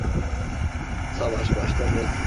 Savaş başladı!